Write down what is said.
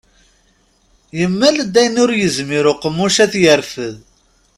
Yemmal-d ayen ur yezmir uqemmuc ad t-yerfed.